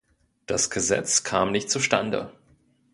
Das Gesetz kam nicht zustande.